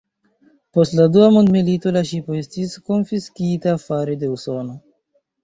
Post la Dua Mondmilito la ŝipo estis konfiskita fare de Usono.